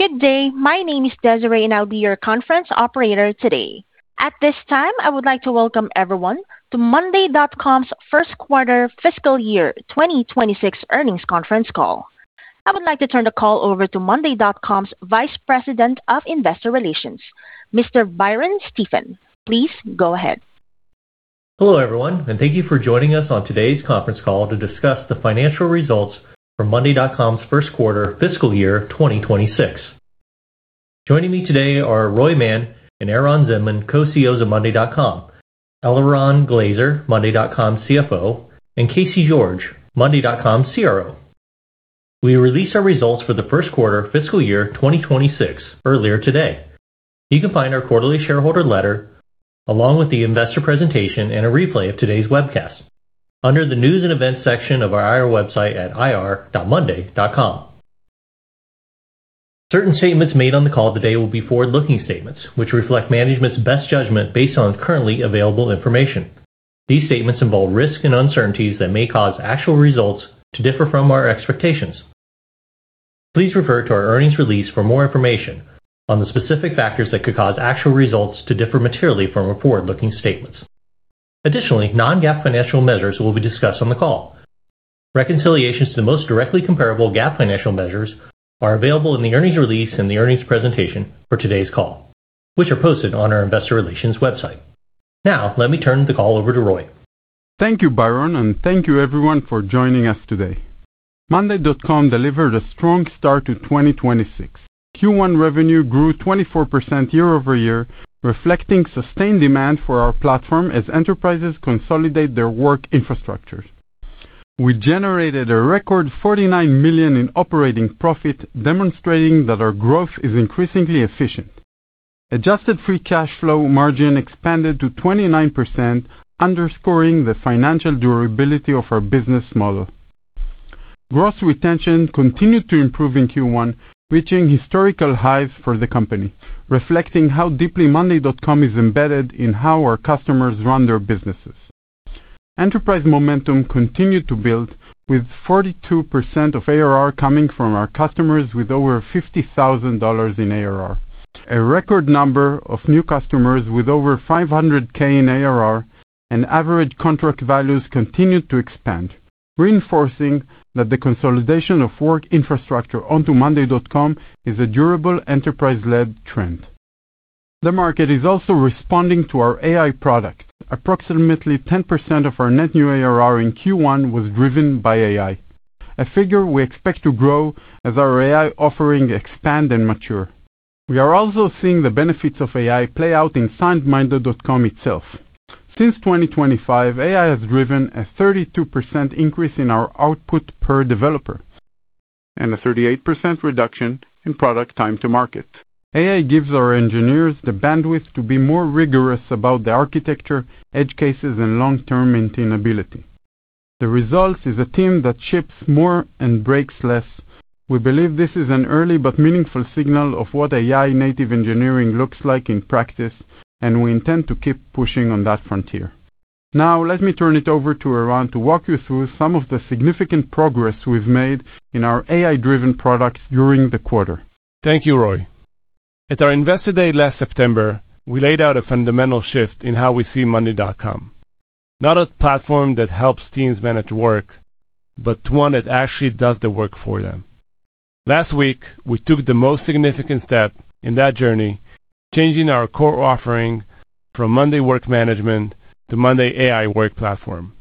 Good day. My name is Desiree, and I'll be your conference operator today. At this time, I would like to welcome everyone to monday.com's First Quarter Fiscal Year 2026 Earnings Conference Call. I would like to turn the call over to monday.com's Vice President of Investor Relations, Mr. Byron Stephen. Please go ahead. Hello, everyone. Thank you for joining us on today's conference call to discuss the financial results for monday.com's first quarter fiscal year 2026. Joining me today are Roy Mann and Eran Zinman, Co-CEOs of monday.com, Eliran Glazer, monday.com CFO, and Casey George, monday.com CRO. We released our results for the first quarter fiscal year 2026 earlier today. You can find our quarterly shareholder letter along with the investor presentation and a replay of today's webcast under the News and Events section of our IR website at ir.monday.com. Certain statements made on the call today will be forward-looking statements, which reflect management's best judgment based on currently available information. These statements involve risks and uncertainties that may cause actual results to differ from our expectations. Please refer to our earnings release for more information on the specific factors that could cause actual results to differ materially from our forward-looking statements. Additionally, non-GAAP financial measures will be discussed on the call. Reconciliations to the most directly comparable GAAP financial measures are available in the earnings release and the earnings presentation for today's call, which are posted on our investor relations website. Now, let me turn the call over to Roy. Thank you, Byron, and thank you everyone for joining us today. monday.com delivered a strong start to 2026. Q1 revenue grew 24% year-over-year, reflecting sustained demand for our platform as enterprises consolidate their work infrastructures. We generated a record $49 million in operating profit, demonstrating that our growth is increasingly efficient. Adjusted free cash flow margin expanded to 29%, underscoring the financial durability of our business model. Gross retention continued to improve in Q1, reaching historical highs for the company, reflecting how deeply monday.com is embedded in how our customers run their businesses. Enterprise momentum continued to build with 42% of ARR coming from our customers with over $50,000 in ARR. A record number of new customers with over 500K in ARR and average contract values continued to expand, reinforcing that the consolidation of work infrastructure onto monday.com is a durable enterprise-led trend. The market is also responding to our AI product. Approximately 10% of our net new ARR in Q1 was driven by AI, a figure we expect to grow as our AI offering expand and mature. We are also seeing the benefits of AI play out inside monday.com itself. Since 2025, AI has driven a 32% increase in our output per developer and a 38% reduction in product time to market. AI gives our engineers the bandwidth to be more rigorous about the architecture, edge cases, and long-term maintainability. The result is a team that ships more and breaks less. We believe this is an early but meaningful signal of what AI-native engineering looks like in practice, and we intend to keep pushing on that frontier. Now, let me turn it over to Eran to walk you through some of the significant progress we've made in our AI-driven products during the quarter. Thank you, Roy. At our Investor Day last September, we laid out a fundamental shift in how we see monday.com. Not a platform that helps teams manage work, but one that actually does the work for them. Last week, we took the most significant step in that journey, changing our core offering from monday Work Management to monday AI Work Platform.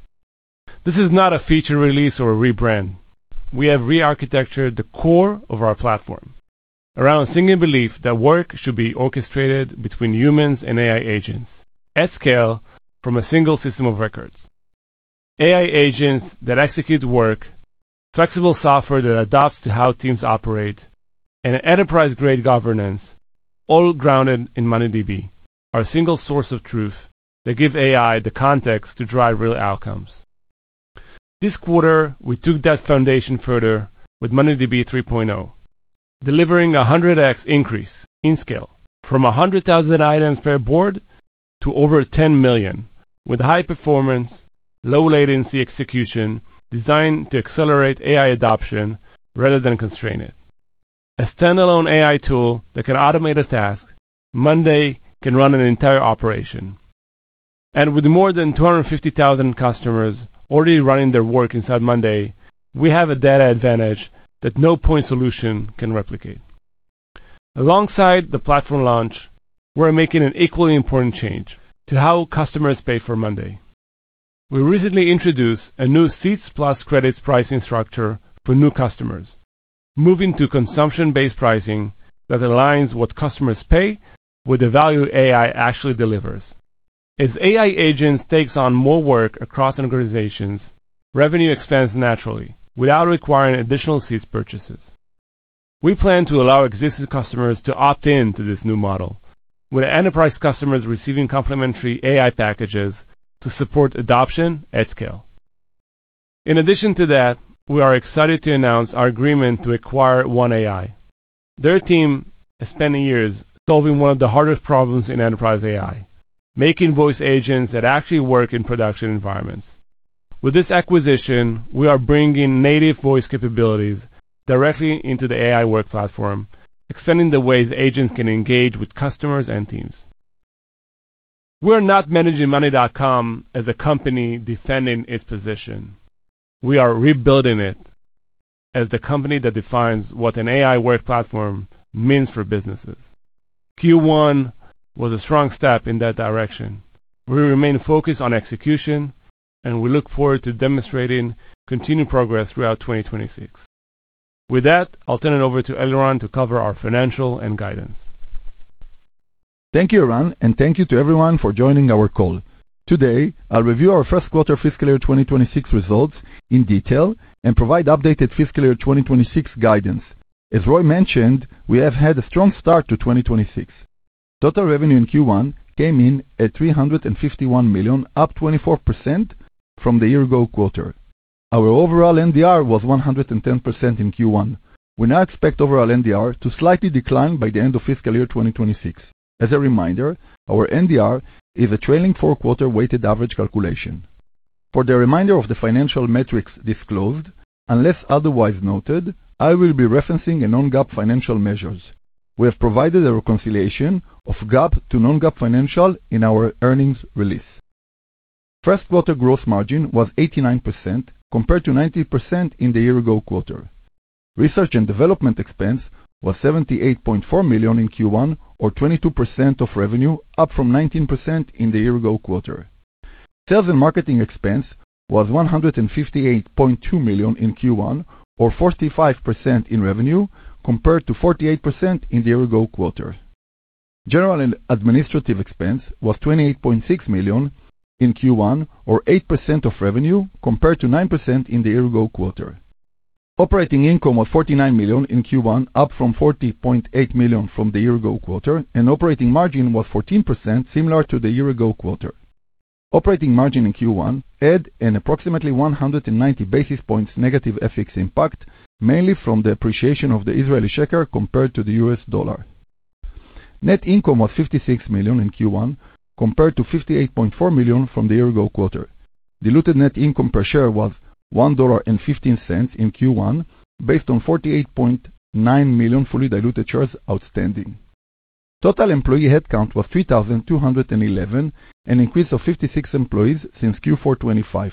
This is not a feature release or a rebrand. We have re-architectured the core of our platform around a single belief that work should be orchestrated between humans and AI agents at scale from a single system of records. AI agents that execute work, flexible software that adapts to how teams operate, and enterprise-grade governance, all grounded in mondaydb, our single source of truth that give AI the context to drive real outcomes. This quarter, we took that foundation further with mondaydb 3.0, delivering a 100x increase in scale from 100,000 items per board to over 10 million with high performance, low latency execution designed to accelerate AI adoption rather than constrain it. A standalone AI tool that can automate a task, monday.com can run an entire operation. With more than 250,000 customers already running their work inside monday.com, we have a data advantage that no point solution can replicate. Alongside the platform launch, we're making an equally important change to how customers pay for monday.com. We recently introduced a new seats plus credits pricing structure for new customers, moving to consumption-based pricing that aligns what customers pay with the value AI actually delivers. As AI agents takes on more work across organizations, revenue expands naturally without requiring additional seats purchases. We plan to allow existing customers to opt in to this new model, with enterprise customers receiving complimentary AI packages to support adoption at scale. In addition to that, we are excited to announce our agreement to acquire One AI. Their team has spent years solving one of the hardest problems in enterprise AI, making voice agents that actually work in production environments. With this acquisition, we are bringing native voice capabilities directly into the AI Work Platform, extending the ways agents can engage with customers and teams. We're not managing monday.com as a company defending its position. We are rebuilding it as the company that defines what an AI Work Platform means for businesses. Q1 was a strong step in that direction. We remain focused on execution, and we look forward to demonstrating continued progress throughout 2026. With that, I'll turn it over to Eliran to cover our financial and guidance. Thank you, Eran, and thank you to everyone for joining our call. Today, I'll review our first quarter fiscal year 2026 results in detail and provide updated fiscal year 2026 guidance. As Roy mentioned, we have had a strong start to 2026. Total revenue in Q1 came in at $351 million, up 24% from the year-ago quarter. Our overall NDR was 110% in Q1. We now expect overall NDR to slightly decline by the end of fiscal year 2026. As a reminder, our NDR is a trailing four-quarter weighted average calculation. For the reminder of the financial metrics disclosed, unless otherwise noted, I will be referencing a non-GAAP financial measures. We have provided a reconciliation of GAAP to non-GAAP financial in our earnings release. First quarter gross margin was 89% compared to 90% in the year-ago quarter. Research and development expense was $78.4 million in Q1, or 22% of revenue, up from 19% in the year-ago quarter. Sales and marketing expense was $158.2 million in Q1, or 45% in revenue, compared to 48% in the year-ago quarter. General and administrative expense was $28.6 million in Q1, or 8% of revenue, compared to 9% in the year-ago quarter. Operating income was $49 million in Q1, up from $40.8 million from the year-ago quarter, and operating margin was 14%, similar to the year-ago quarter. Operating margin in Q1 had an approximately 190 basis points negative FX impact, mainly from the appreciation of the Israeli shekel compared to the US dollar. Net income was $56 million in Q1, compared to $58.4 million from the year-ago quarter. Diluted net income per share was $1.15 in Q1, based on 48.9 million fully diluted shares outstanding. Total employee headcount was 3,211, an increase of 56 employees since Q4 2025.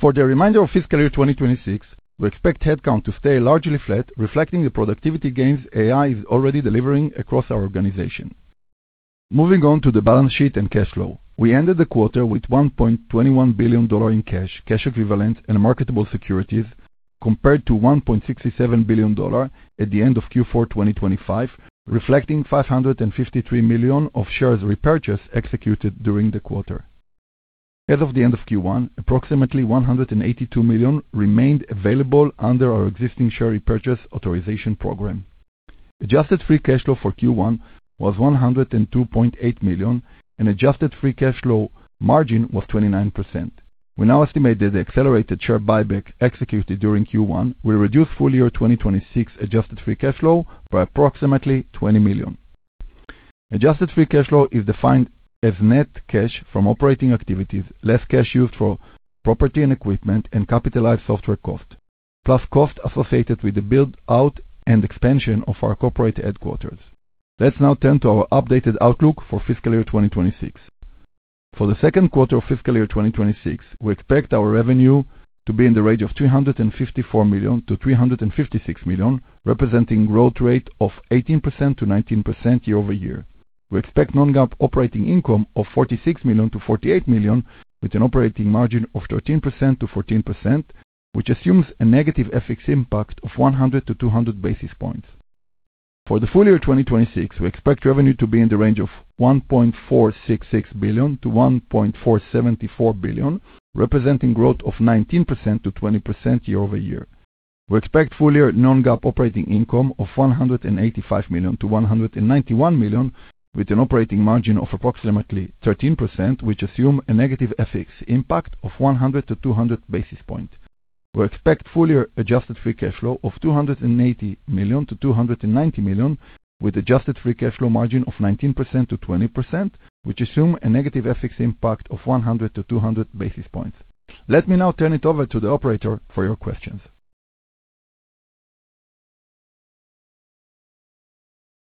For the remainder of fiscal year 2026, we expect headcount to stay largely flat, reflecting the productivity gains AI is already delivering across our organization. Moving on to the balance sheet and cash flow. We ended the quarter with $1.21 billion in cash equivalents and marketable securities, compared to $1.67 billion at the end of Q4 2025, reflecting $553 million of shares repurchase executed during the quarter. As of the end of Q1, approximately $182 million remained available under our existing share repurchase authorization program. Adjusted free cash flow for Q1 was $102.8 million, and adjusted free cash flow margin was 29%. We now estimate that the accelerated share buyback executed during Q1 will reduce full year 2026 adjusted free cash flow by approximately $20 million. Adjusted free cash flow is defined as net cash from operating activities, less cash used for property and equipment and capitalized software cost, plus cost associated with the build-out and expansion of our corporate headquarters. Let's now turn to our updated outlook for fiscal year 2026. For the second quarter of fiscal year 2026, we expect our revenue to be in the range of $354 million-$356 million, representing growth rate of 18%-19% year-over-year. We expect non-GAAP operating income of $46 million-$48 million, with an operating margin of 13%-14%, which assumes a negative FX impact of 100-200 basis points. For the full year 2026, we expect revenue to be in the range of $1.466 billion-$1.474 billion, representing growth of 19%-20% year-over-year. We expect full year non-GAAP operating income of $185 million to $191 million, with an operating margin of approximately 13%, which assume a negative FX impact of 100 to 200 basis points. We expect full year adjusted free cash flow of $280 million to $290 million, with adjusted free cash flow margin of 19%-20%, which assume a negative FX impact of 100 to 200 basis points. Let me now turn it over to the operator for your questions.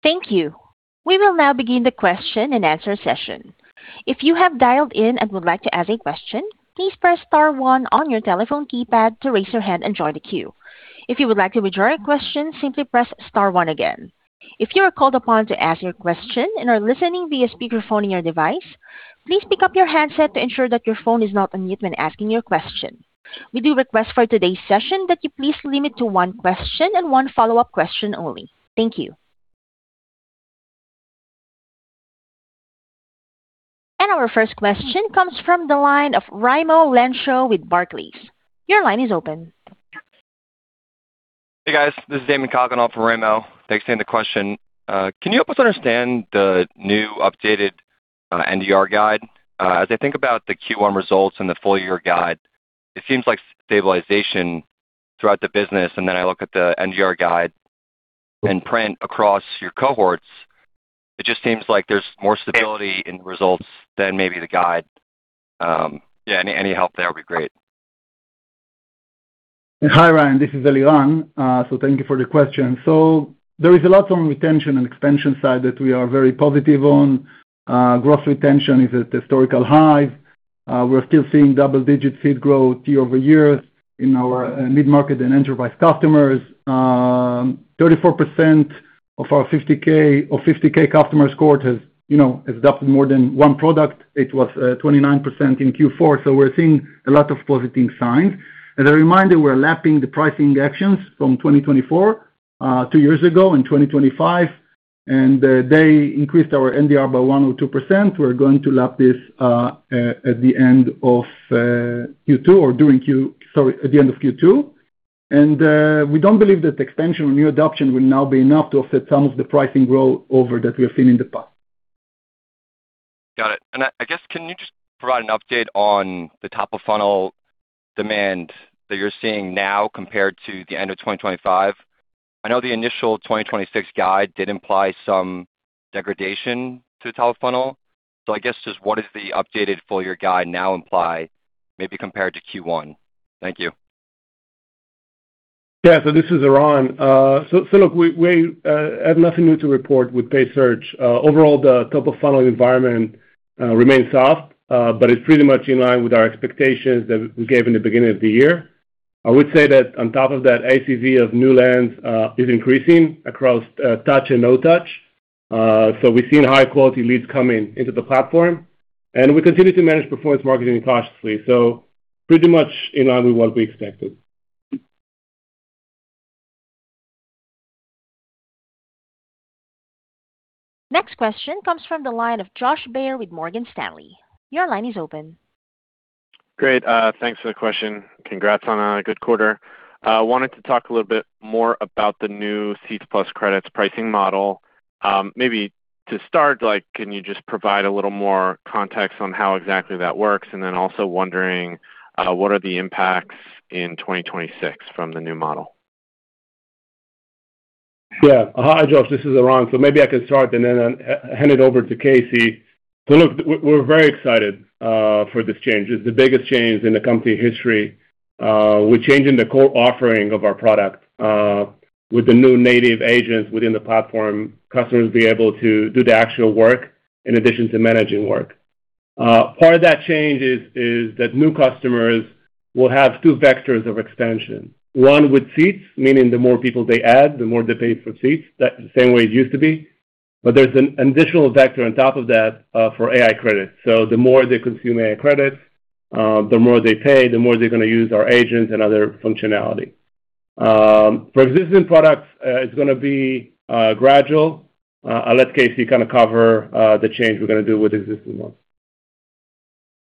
Thank you. We will now begin the question and answer session. If you have dialed in and would like to ask a question, please press star one on your telephone keypad to raise your hand and join the queue. If you would like to withdraw your question, simply press star one again. If you are called upon to ask your question and are listening via speakerphone in your device, please pick up your handset to ensure that your phone is not on mute when asking your question. We do request for today's session that you please limit to one question and one follow-up question only. Thank you. Our first question comes from the line of Raimo Lenschow with Barclays. Your line is open. Hey, guys. This is Damon Kogan on for Raimo. Thanks for taking the question. Can you help us understand the new updated NDR guide? As I think about the Q1 results and the full year guide, it seems like stabilization throughout the business, and then I look at the NDR guide. Print across your cohorts, it just seems like there's more stability in results than maybe the guide. Yeah, any help there would be great. Hi, Raimo, this is Eliran. Thank you for the question. There is a lot on retention and expansion side that we are very positive on. Gross retention is at historical high. We're still seeing double-digit feed growth year-over-year in our mid-market and enterprise customers, 34% of our 50K or 50K customers cohort has, you know, has adopted more than one product. It was 29% in Q4, we're seeing a lot of positive signs. As a reminder, we're lapping the pricing actions from 2024, two years ago in 2025, they increased our NDR by 1% or 2%. We're going to lap this at the end of Q2. We don't believe that expansion or new adoption will now be enough to offset some of the pricing grow over that we have seen in the past. Got it. I guess, can you just provide an update on the top-of-funnel demand that you're seeing now compared to the end of 2025? I know the initial 2026 guide did imply some degradation to top-of-funnel. I guess just what is the updated full year guide now imply maybe compared to Q1? Thank you. This is Eran. Look, we have nothing new to report with paid search. Overall, the top-of-funnel environment remains soft, it's pretty much in line with our expectations that we gave in the beginning of the year. I would say that on top of that, ACV of new lands is increasing across touch and no touch. We're seeing high-quality leads coming into the platform, and we continue to manage performance marketing cautiously. Pretty much in line with what we expected. Next question comes from the line of Josh Baer with Morgan Stanley. Your line is open. Great. Thanks for the question. Congrats on a good quarter. Wanted to talk a little bit more about the new Seats Plus credits pricing model. Maybe to start, can you just provide a little more context on how exactly that works? Also wondering, what are the impacts in 2026 from the new model? Hi, Josh, this is Eran. Maybe I can start and then hand it over to Casey. We're very excited for this change. It's the biggest change in the company history. We're changing the core offering of our product with the new native agents within the platform, customers being able to do the actual work in addition to managing work. Part of that change is that new customers will have two vectors of expansion. One with seats, meaning the more people they add, the more they pay for seats. The same way it used to be. There's an additional vector on top of that for AI credits. The more they consume AI credits, the more they pay, the more they're gonna use our agents and other functionality. For existing products, it's gonna be gradual. I'll let Casey kinda cover the change we're gonna do with existing ones.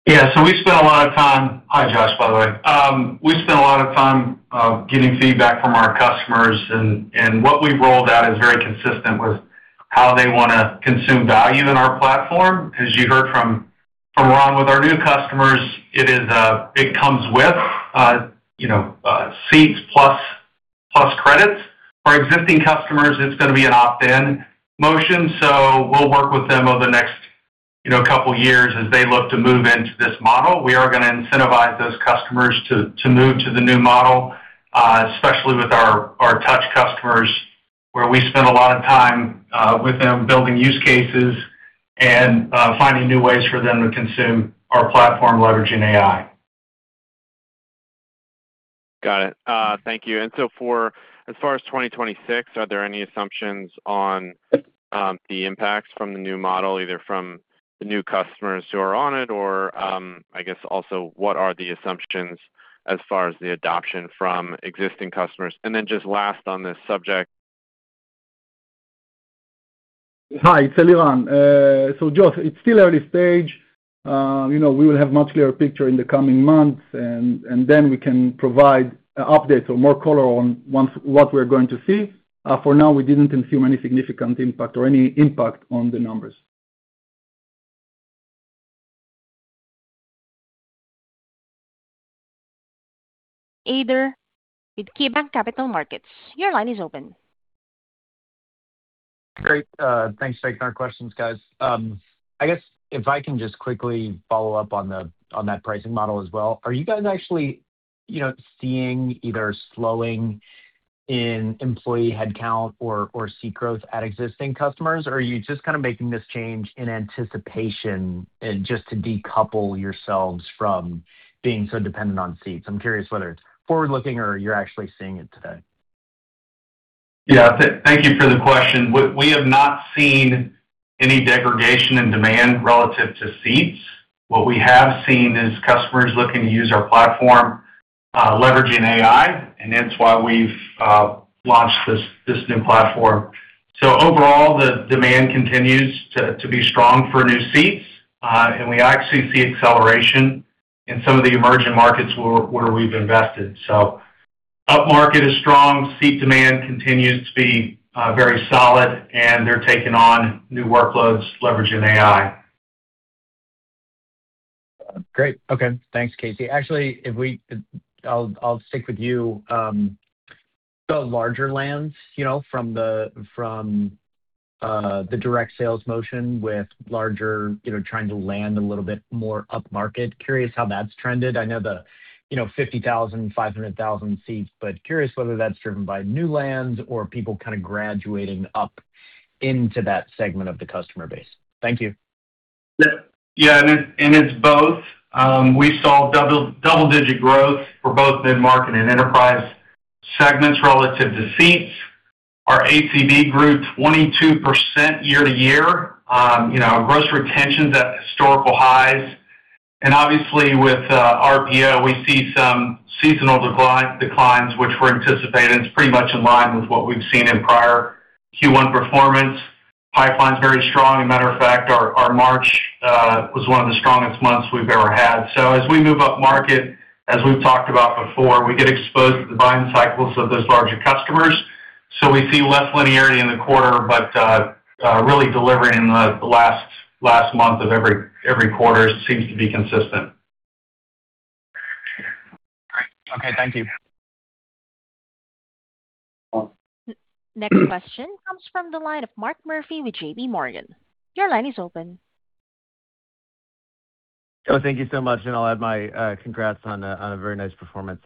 Hi, Josh, by the way. We spent a lot of time getting feedback from our customers and what we've rolled out is very consistent with how they wanna consume value in our platform. As you heard from Eran with our new customers, it is, it comes with, you know, seats plus credits. For existing customers, it's gonna be an opt-in motion, we'll work with them over the next, you know, two years as they look to move into this model. We are gonna incentivize those customers to move to the new model, especially with our touch customers, where we spend a lot of time with them building use cases and finding new ways for them to consume our platform leveraging AI. Got it. Thank you. For as far as 2026, are there any assumptions on the impact from the new model, either from the new customers who are on it or, I guess also what are the assumptions as far as the adoption from existing customers? Just last on this subject. Hi, it's Eliran. Josh, it's still early stage. You know, we will have much clearer picture in the coming months, and then we can provide updates or more color on what we're going to see. For now, we didn't consume any significant impact or any impact on the numbers. Ader with KeyBanc Capital Markets. Your line is open. Great. Thanks for taking our questions, guys. I guess if I can just quickly follow up on the, on that pricing model as well. Are you guys actually, you know, seeing either slowing in employee headcount or seat growth at existing customers? Are you just kinda making this change in anticipation and just to decouple yourselves from being so dependent on seats? I'm curious whether it's forward-looking or you're actually seeing it today. Thank you for the question. We have not seen any degradation in demand relative to seats. What we have seen is customers looking to use our platform, leveraging AI, and that's why we've launched this new platform. Overall, the demand continues to be strong for new seats, and we actually see acceleration in some of the emerging markets where we've invested. Up-market is strong, seat demand continues to be very solid, and they're taking on new workloads leveraging AI. Great. Okay, thanks, Casey. Actually, I'll stick with you. The larger lands, you know, from the direct sales motion with larger, you know, trying to land a little bit more upmarket. Curious how that's trended. I know the, you know, 50,000, 500,000 seats, but curious whether that's driven by new lands or people kinda graduating up into that segment of the customer base. Thank you. It's both. We saw double-digit growth for both mid-market and enterprise segments relative to seats. Our ACV grew 22% year to year. You know, gross retention's at historical highs. Obviously, with RPO, we see some seasonal declines which were anticipated. It's pretty much in line with what we've seen in prior Q1 performance. Pipeline's very strong. Matter of fact, our March was one of the strongest months we've ever had. As we move upmarket, as we've talked about before, we get exposed to the buying cycles of those larger customers. We see less linearity in the quarter, but really delivering the last month of every quarter seems to be consistent. Great. Okay, thank you. Next question comes from the line of Mark Murphy with JPMorgan. Your line is open. Oh, thank you so much, and I'll add my congrats on a very nice performance.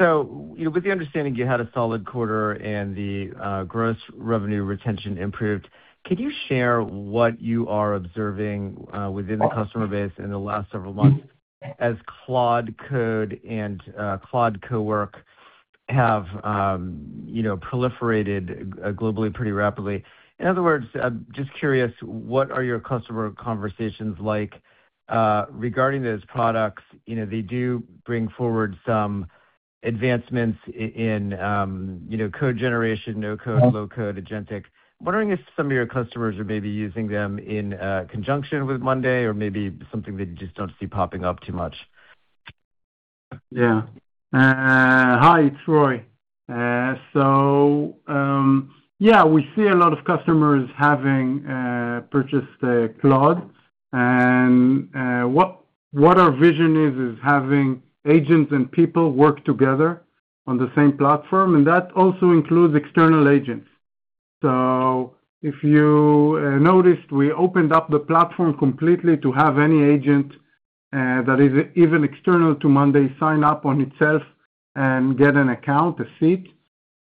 You know, with the understanding you had a solid quarter and the gross revenue retention improved, can you share what you are observing within the customer base in the last several months as Claude Code and Claude Cowork have proliferated globally pretty rapidly? In other words, just curious, what are your customer conversations like regarding those products? You know, they do bring forward some advancements in, you know, code generation, no-code, low code, agentic. I'm wondering if some of your customers are maybe using them in conjunction with monday.com or maybe something that you just don't see popping up too much. Hi, it's Roy. We see a lot of customers having purchased Claude. What our vision is having agents and people work together on the same platform, and that also includes external agents. If you noticed, we opened up the platform completely to have any agent that is even external to monday sign up on itself and get an account, a seat.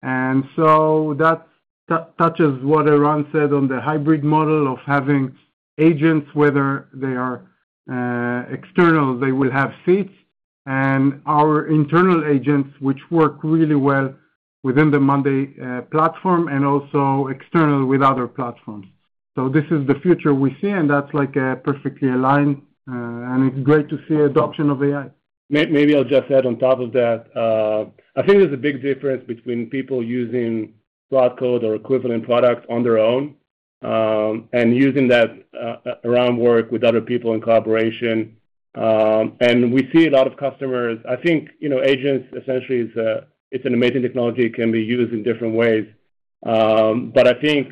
That touches what Eran said on the hybrid model of having agents, whether they are external, they will have seats, and our internal agents, which work really well within the monday platform and also external with other platforms. This is the future we see, and that's perfectly aligned, and it's great to see adoption of AI. Maybe I'll just add on top of that. I think there's a big difference between people using Claude Code or equivalent products on their own, and using that around work with other people in collaboration. We see a lot of customers. I think, you know, agents essentially is, it's an amazing technology. It can be used in different ways. I think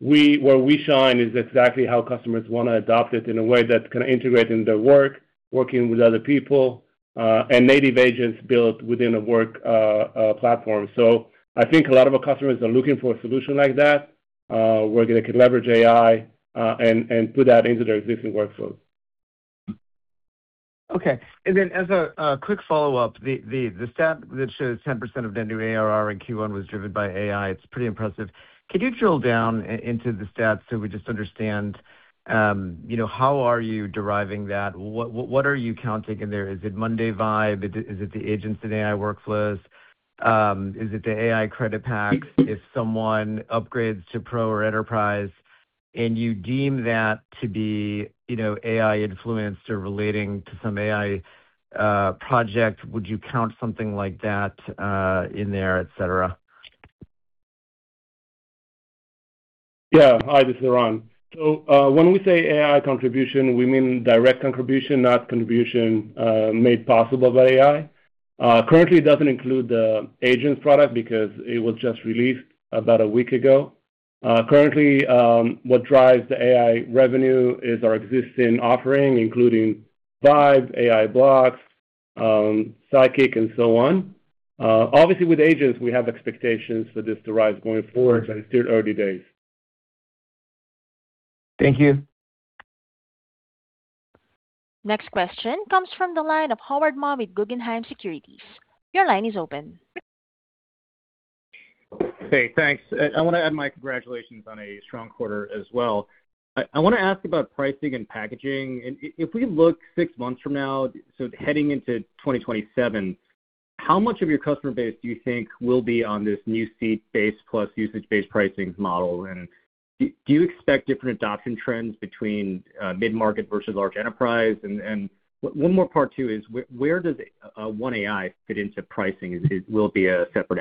where we shine is exactly how customers wanna adopt it in a way that can integrate in their work, working with other people, and native agents built within a work platform. I think a lot of our customers are looking for a solution like that, where they can leverage AI, and put that into their existing workflow. Okay. As a quick follow-up, the stat that shows 10% of the new ARR in Q1 was driven by AI, it's pretty impressive. Could you drill down into the stats so we just understand, you know, how are you deriving that? What are you counting in there? Is it monday Vibe? Is it the Agents in AI workflows? Is it the AI credit pack? If someone upgrades to Pro or Enterprise and you deem that to be, you know, AI-influenced or relating to some AI project, would you count something like that in there, et cetera? Yeah. Hi, this is Eran. When we say AI contribution, we mean direct contribution, not contribution made possible by AI. Currently, it doesn't include the agents product because it was just released about a week ago. Currently, what drives the AI revenue is our existing offering, including Vibe, AI Blocks, Sidekick, and so on. Obviously, with agents, we have expectations for this to rise going forward, but it's still early days. Thank you. Next question comes from the line of Howard Ma with Guggenheim Securities. Your line is open. Hey, thanks. I wanna add my congratulations on a strong quarter as well. I wanna ask about pricing and packaging. If we look six months from now, so heading into 2027, how much of your customer base do you think will be on this new seat-based plus usage-based pricing model? Do you expect different adoption trends between mid-market versus large enterprise? One more part too is where does One AI fit into pricing? Will it be a separate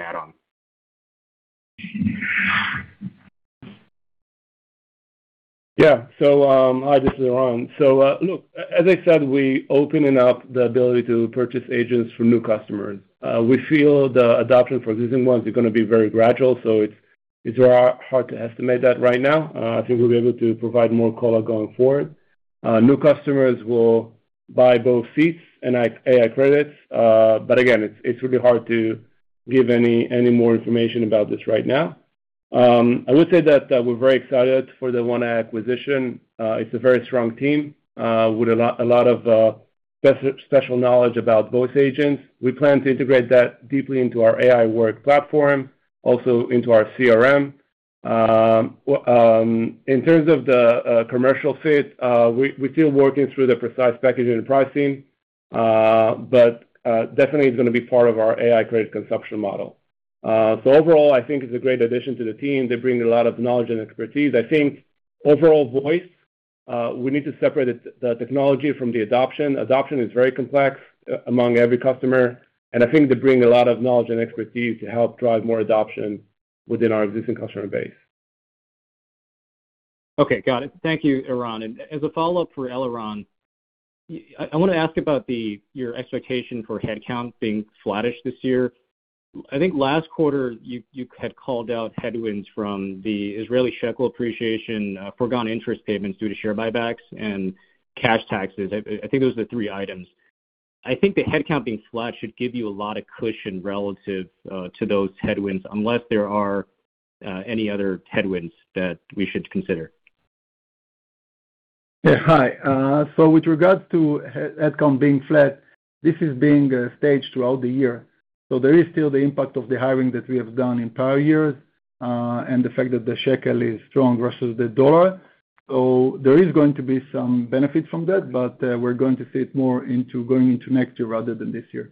add-on? Hi, this is Eran. Look, as I said, we opening up the ability to purchase agents for new customers. We feel the adoption for existing ones are gonna be very gradual, so it's very hard to estimate that right now. I think we'll be able to provide more color going forward. New customers will buy both seats and AI credits. Again, it's really hard to give any more information about this right now. I would say that we're very excited for the One AI acquisition. It's a very strong team, with a lot of special knowledge about voice agents. We plan to integrate that deeply into our AI Work Platform, also into our CRM. In terms of the commercial fit, we're still working through the precise packaging and pricing, but definitely it's gonna be part of our AI credit consumption model. Overall, I think it's a great addition to the team. They bring a lot of knowledge and expertise. I think overall voice, we need to separate the technology from the adoption. Adoption is very complex among every customer, and I think they bring a lot of knowledge and expertise to help drive more adoption within our existing customer base. Okay. Got it. Thank you, Eran. As a follow-up for Eliran, I want to ask about the, your expectation for headcount being flattish this year. I think last quarter you had called out headwinds from the Israeli shekel appreciation, foregone interest payments due to share buybacks and cash taxes. I think those are the three items. I think the headcount being flat should give you a lot of cushion relative to those headwinds, unless there are any other headwinds that we should consider. Yeah. Hi. With regards to headcount being flat, this is being staged throughout the year. There is still the impact of the hiring that we have done in prior years, and the fact that the shekel is strong versus the dollar. There is going to be some benefit from that, but we're going to see it more into going into next year rather than this year.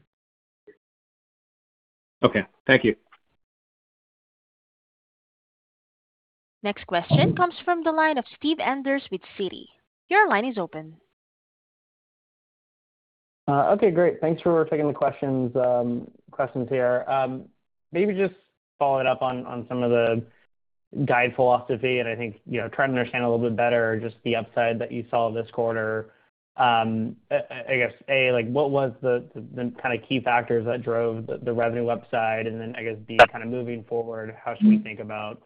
Okay. Thank you. Next question comes from the line of Steve Enders with Citi. Your line is open. Okay, great. Thanks for taking the questions here. Maybe just follow it up on some of the guide philosophy, I think, you know, try to understand a little bit better just the upside that you saw this quarter. I guess, A, like, what was the kind of key factors that drove the revenue upside? Then I guess, B, kind of moving forward, how should we think about,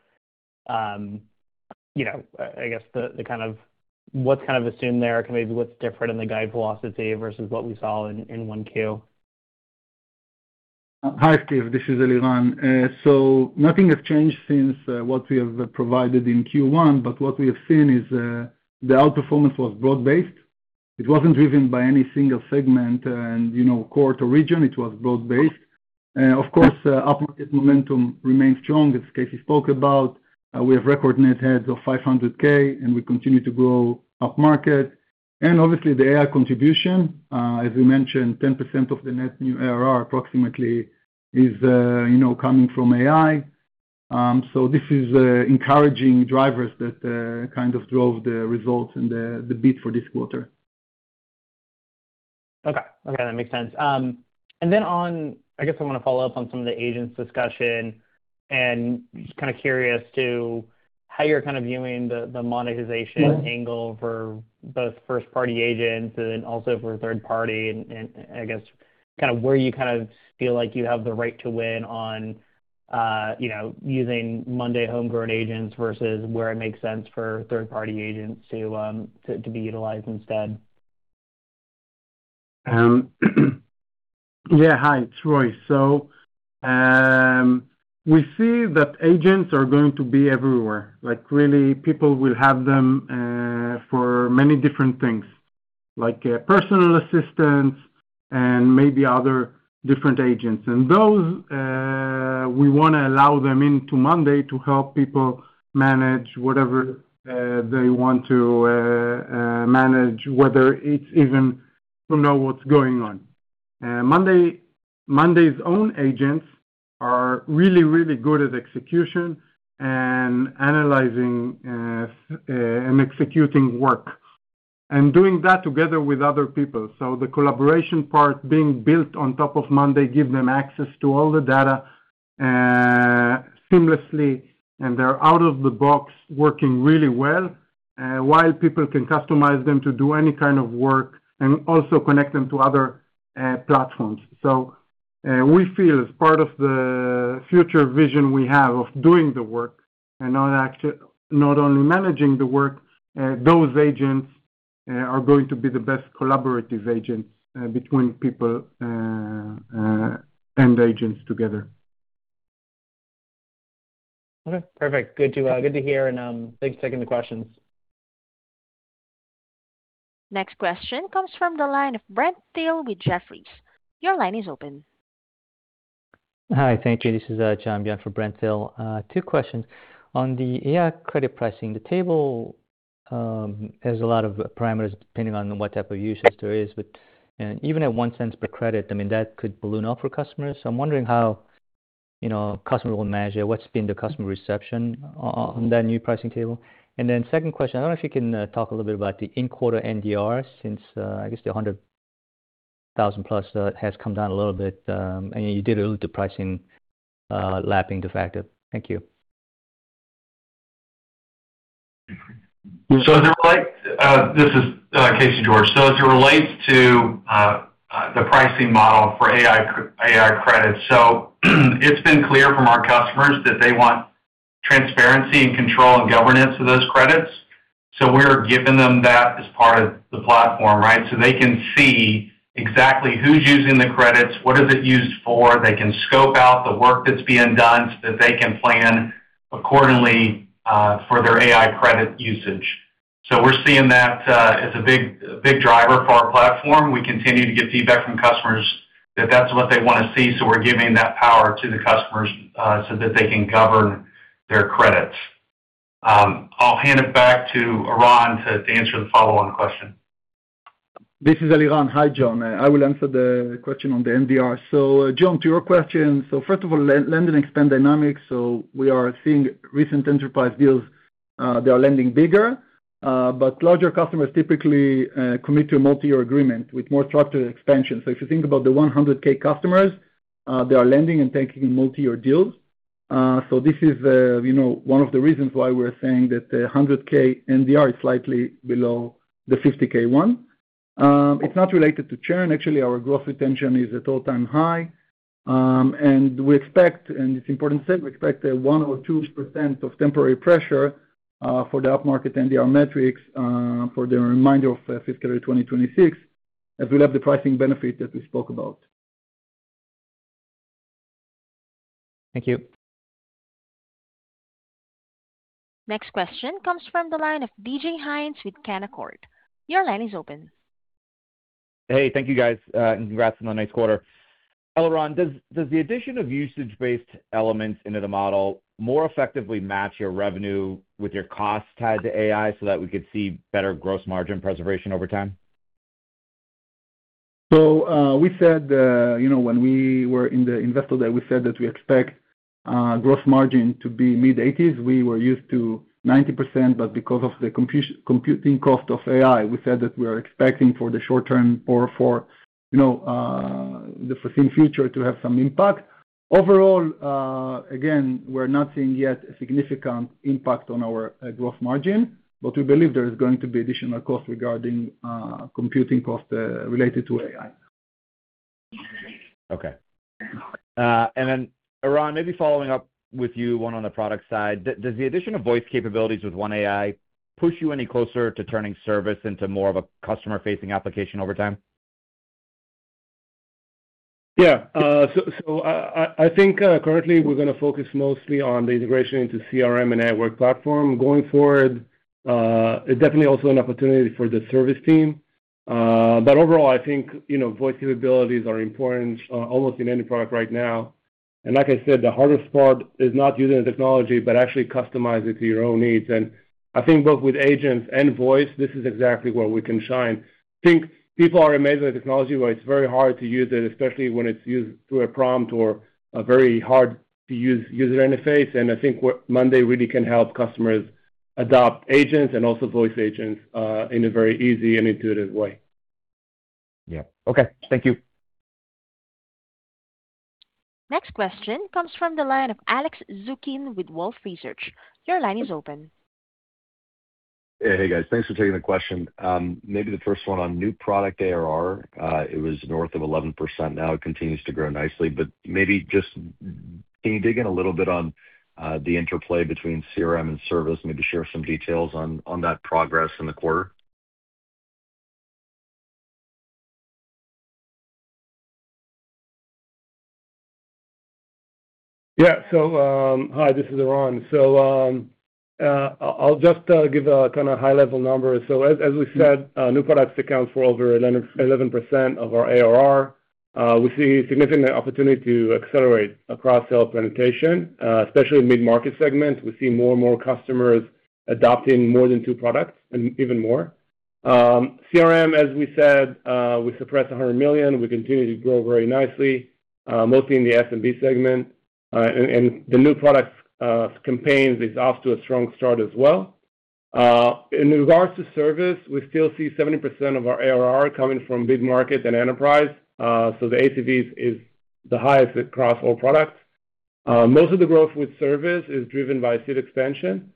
you know, I guess what's kind of assumed there? Maybe what's different in the guide philosophy versus what we saw in 1Q? Hi, Steve. This is Eliran. Nothing has changed since what we have provided in Q1, but what we have seen is the outperformance was broad-based. It wasn't driven by any single segment and, you know, core to region. It was broad-based. Of course, up-market momentum remains strong, as Casey spoke about. We have record net heads of 500K, and we continue to grow up-market. Obviously, the AI contribution, as we mentioned, 10% of the net new ARR approximately is, you know, coming from AI. This is encouraging drivers that kind of drove the results and the beat for this quarter. Okay. Okay, that makes sense. Then on, I guess I wanna follow up on some of the agents discussion and kind of curious to how you're kind of viewing the monetization angle for both first-party agents and then also for third-party, and I guess kind of where you kind of feel like you have the right to win on, you know, using monday.com homegrown agents versus where it makes sense for third-party agents to be utilized instead. Hi, it's Roy. We see that agents are going to be everywhere. Like, really, people will have them for many different things, like personal assistants and maybe other different agents. Those, we wanna allow them into monday to help people manage whatever they want to manage, whether it's even to know what's going on. Monday's own agents are really, really good at execution and analyzing and executing work, and doing that together with other people. The collaboration part being built on top of monday give them access to all the data seamlessly, and they're out of the box working really well, while people can customize them to do any kind of work and also connect them to other platforms. We feel as part of the future vision we have of doing the work and not only managing the work, those agents are going to be the best collaborative agents between people and agents together. Okay. Perfect. Good to, good to hear and, thanks for taking the questions. Next question comes from the line of Brent Thill with Jefferies. Your line is open. Hi. Thank you. This is [John B.] on for Brent Thill. Two questions. On the AI credit pricing, the table has a lot of parameters depending on what type of usage there is. Even at $0.01 per credit, I mean, that could balloon out for customers. I'm wondering how, you know, customer will manage it. What's been the customer reception on that new pricing table? 2nd question, I don't know if you can talk a little bit about the in-quarter NDR since I guess the 100,000+ has come down a little bit, and you did a little depressing lapping the factor. As it relates, this is Casey George. As it relates to the pricing model for AI credits. It's been clear from our customers that they want transparency and control and governance of those credits. We're giving them that as part of the platform, right? They can see exactly who's using the credits, what is it used for. They can scope out the work that's being done so that they can plan accordingly for their AI credit usage. We're seeing that as a big driver for our platform. We continue to get feedback from customers that that's what they want to see, so we're giving that power to the customers so that they can govern their credits. I'll hand it back to Eran to answer the follow-on question. This is Eliran. Hi, John. I will answer the question on the NDR. John, to your question, first of all, land and expand dynamics, we are seeing recent enterprise deals, they are lending bigger. Larger customers typically commit to a multi-year agreement with more structured expansion. If you think about the 100K customers, they are lending and taking multi-year deals. This is, you know, one of the reasons why we're saying that the 100K NDR is slightly below the 50K one. It's not related to churn. Actually, our growth retention is at all-time high. We expect, and it's important to say, we expect a 1% or 2% of temporary pressure for the upmarket NDR metrics for the remainder of fiscal year 2026, as we'll have the pricing benefit that we spoke about. Thank you. Next question comes from the line of DJ Hynes with Canaccord. Your line is open. Hey, thank you guys, and congrats on the nice quarter. Eliran, does the addition of usage-based elements into the model more effectively match your revenue with your cost tied to AI so that we could see better gross margin preservation over time? We said, you know, when we were in the investor day, we said that we expect gross margin to be mid-80s. We were used to 90%, but because of the computing cost of AI, we said that we are expecting for the short term or for, you know, the foreseen future to have some impact. Overall, again, we're not seeing yet a significant impact on our gross margin, but we believe there is going to be additional cost regarding computing costs related to AI. Okay. Then Eran, maybe following up with you, one on the product side. Does the addition of voice capabilities with One AI push you any closer to turning service into more of a customer-facing application over time? Yeah. I think currently we're gonna focus mostly on the integration into CRM and network platform. Going forward, it definitely also an opportunity for the service team. Overall, I think, you know, voice capabilities are important almost in any product right now. Like I said, the hardest part is not using the technology, but actually customize it to your own needs. I think both with agents and voice, this is exactly where we can shine. I think people are amazed at the technology, but it's very hard to use it, especially when it's used through a prompt or a very hard-to-use user interface. I think what monday.com really can help customers adopt agents and also voice agents in a very easy and intuitive way. Yeah. Okay. Thank you. Next question comes from the line of Alex Zukin with Wolfe Research. Hey, guys. Thanks for taking the question. Maybe the first one on new product ARR, it was north of 11%. It continues to grow nicely, but maybe just can you dig in a little bit on the interplay between CRM and service? Maybe share some details on that progress in the quarter. Yeah. Hi, this is Eran. I'll just give a kinda high-level number. As we said, new products accounts for over 11% of our ARR. We see significant opportunity to accelerate across sell penetration, especially mid-market segment. We see more and more customers adopting more than two products and even more. CRM, as we said, we surpassed $100 million. We continue to grow very nicely, mostly in the SMP segment. The new product campaigns is off to a strong start as well. In regards to service, we still see 70% of our ARR coming from mid-market and enterprise. The ACVs is the highest across all products. Most of the growth with service is driven by seat expansion,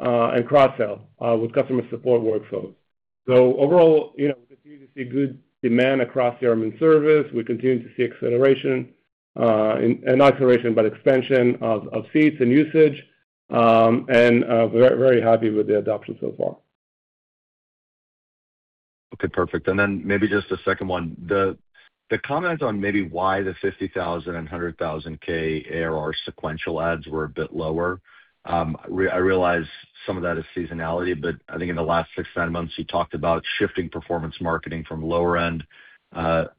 and cross-sell, with customer support workflows. Overall, you know, we continue to see good demand across CRM and service. We continue to see acceleration, and not acceleration, but expansion of seats and usage, and, very happy with the adoption so far. Okay, perfect. Then maybe just a second one. The comment on maybe why the $50,000 and $100,000 K ARR sequential adds were a bit lower. I realize some of that is seasonality, but I think in the last six, seven months, you talked about shifting performance marketing from lower-end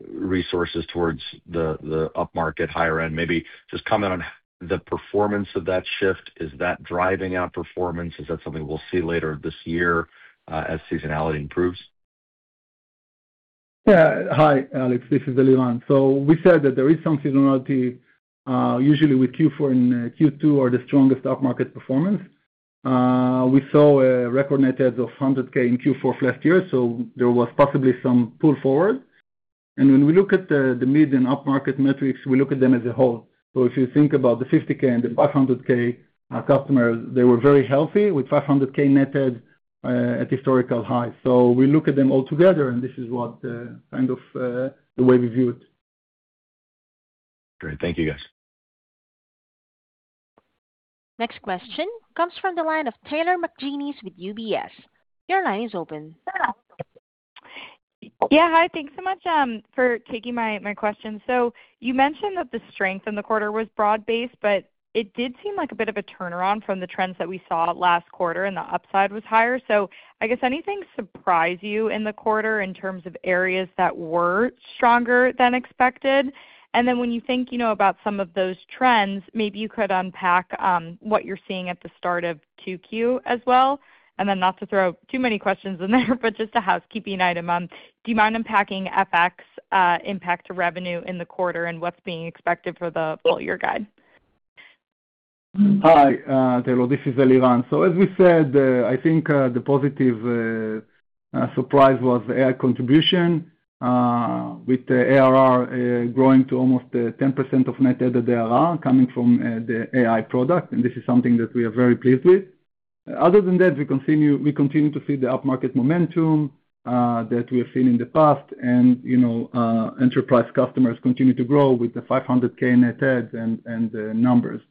resources towards the upmarket higher end. Maybe just comment on the performance of that shift. Is that driving outperformance? Is that something we'll see later this year as seasonality improves? Yeah. Hi, Alex. This is Eliran. We said that there is some seasonality, usually with Q4 and Q2 are the strongest upmarket performance. We saw a record net adds of 100K in Q4 of last year, so there was possibly some pull forward. When we look at the mid and upmarket metrics, we look at them as a whole. If you think about the 50K and the 500K customers, they were very healthy with 500K net add at historical highs. We look at them all together, and this is what kind of the way we view it. Great. Thank you, guys. Next question comes from the line of Taylor McGinnis with UBS. Your line is open. Yeah, hi. Thanks so much for taking my question. You mentioned that the strength in the quarter was broad-based, but it did seem like a bit of a turnaround from the trends that we saw last quarter, and the upside was higher. I guess anything surprise you in the quarter in terms of areas that were stronger than expected? When you think, you know, about some of those trends, maybe you could unpack what you're seeing at the start of 2Q as well. Not to throw too many questions in there, but just a housekeeping item. Do you mind unpacking FX impact to revenue in the quarter and what's being expected for the full year guide? Hi, Taylor, this is Eliran. As we said, I think the positive surprise was AI contribution with the ARR growing to almost 10% of net added ARR coming from the AI product. This is something that we are very pleased with. Other than that, we continue to see the upmarket momentum that we have seen in the past. You know, enterprise customers continue to grow with the 500K net adds and numbers.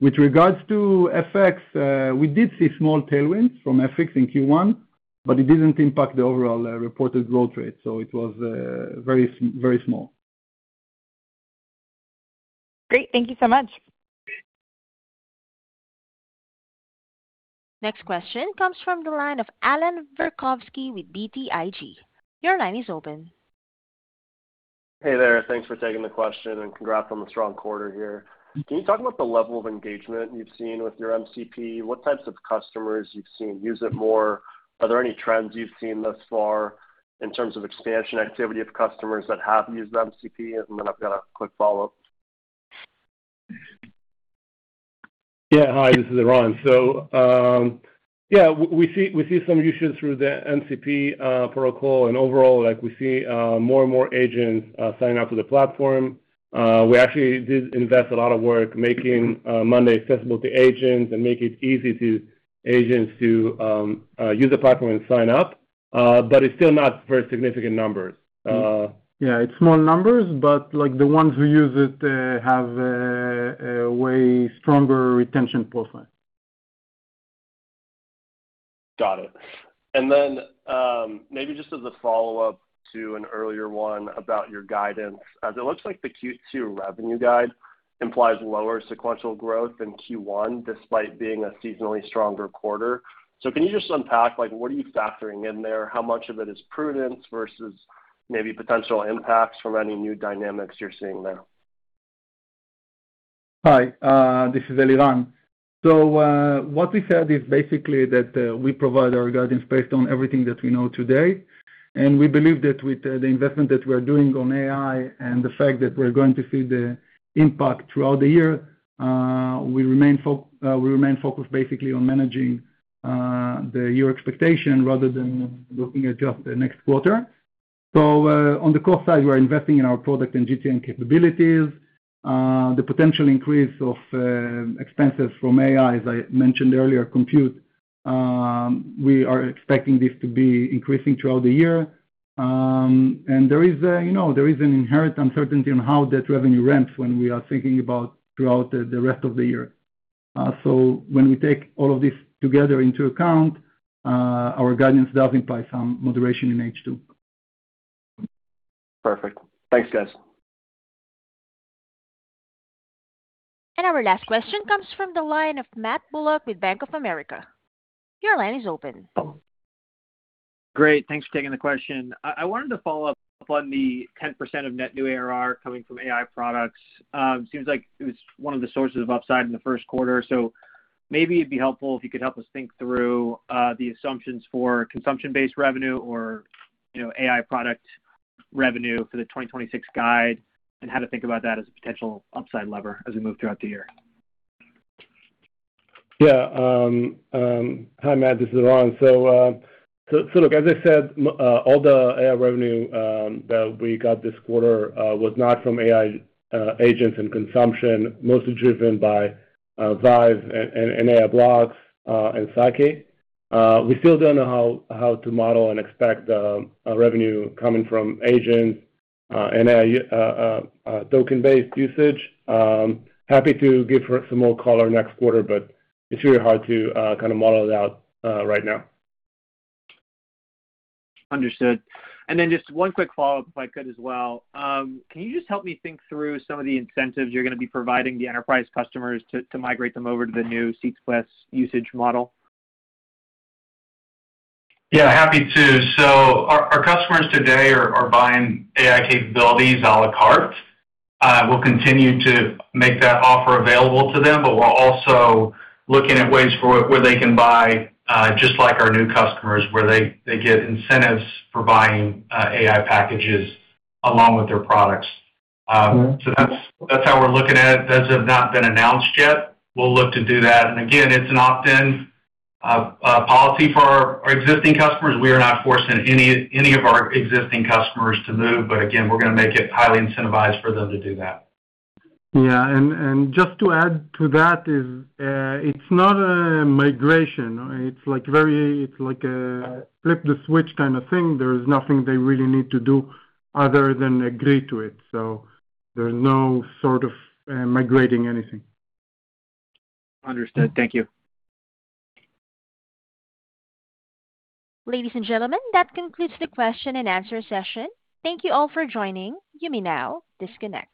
With regards to FX, we did see small tailwinds from FX in Q1, but it didn't impact the overall reported growth rate, so it was very small. Great. Thank you so much. Next question comes from the line of Allan Verkhovski with BTIG. Your line is open. Hey there. Thanks for taking the question, and congrats on the strong quarter here. Can you talk about the level of engagement you've seen with your MCP? What types of customers you've seen use it more? Are there any trends you've seen thus far in terms of expansion activity of customers that have used MCP? Then I've got a quick follow-up. Yeah. Hi, this is Eran. We see some usage through the MCP protocol. Overall, like we see more and more agents sign up to the platform. We actually did invest a lot of work making monday accessible to agents and make it easy to agents to use the platform and sign up. It's still not very significant numbers. Yeah, it's small numbers, but like the ones who use it, have a way stronger retention profile. Got it. Maybe just as a follow-up to an earlier one about your guidance. The Q2 revenue guide implies lower sequential growth than Q1, despite being a seasonally stronger quarter. Can you just unpack like what are you factoring in there? How much of it is prudence versus maybe potential impacts from any new dynamics you're seeing there? Hi, this is Eliran. What we said is basically that we provide our guidance based on everything that we know today. We believe that with the investment that we are doing on AI and the fact that we're going to see the impact throughout the year, we remain focused basically on managing the year expectation rather than looking at just the next quarter. On the cost side, we're investing in our product and GTM capabilities. The potential increase of expenses from AI, as I mentioned earlier, compute, we are expecting this to be increasing throughout the year. There is a, you know, there is an inherent uncertainty on how that revenue ramps when we are thinking about throughout the rest of the year. When we take all of this together into account, our guidance does imply some moderation in H2. Perfect. Thanks, guys. Our last question comes from the line of Matt Bullock with Bank of America. Your line is open. Great. Thanks for taking the question. I wanted to follow up on the 10% of net new ARR coming from AI products. Seems like it was one of the sources of upside in the first quarter. Maybe it'd be helpful if you could help us think through the assumptions for consumption-based revenue or, you know, AI product revenue for the 2026 guide and how to think about that as a potential upside lever as we move throughout the year. Yeah. Hi, Matt. This is Eran. Look, as I said, all the AI revenue that we got this quarter was not from AI agents and consumption. Mostly driven by Vibe and AI Blocks and Sidekick. We still don't know how to model and expect revenue coming from agents and token-based usage. Happy to give for some more color next quarter, but it's really hard to kinda model it out right now. Understood. Just one quick follow-up, if I could as well. Can you just help me think through some of the incentives you're gonna be providing the enterprise customers to migrate them over to the new SeatsPlus usage model? Happy to. Our customers today are buying AI capabilities à la carte. We'll continue to make that offer available to them, but we're also looking at ways for where they can buy, just like our new customers, where they get incentives for buying AI packages along with their products. That's how we're looking at it. Those have not been announced yet. We'll look to do that. Again, it's an opt-in policy for our existing customers. We are not forcing any of our existing customers to move. Again, we're gonna make it highly incentivized for them to do that. Yeah. Just to add to that is, it's not a migration. It's like a flip the switch kinda thing. There is nothing they really need to do other than agree to it. There's no sort of migrating anything. Understood. Thank you. Ladies and gentlemen, that concludes the question and answer session. Thank you all for joining. You may now disconnect.